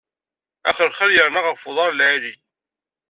Axelxal yernan ɣef uḍar lɛali.